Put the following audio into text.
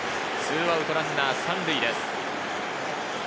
２アウトランナー３塁です。